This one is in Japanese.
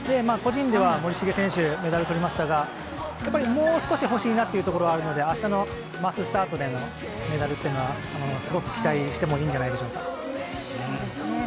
個人では森重選手メダルとりましたがやっぱりもう少し欲しいなというところがあるので明日のマススタートでのメダルというのはすごく期待してもいいんじゃないでしょうか。